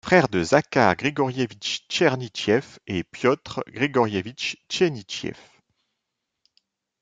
Frère de Zakhar Grigorievitch Tchernychev et Piotr Grigorievitch Tchenychev.